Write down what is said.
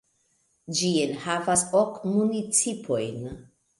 Ĝi enhavas ok municipojn.